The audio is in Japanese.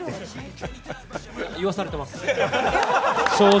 正直、言わされてます。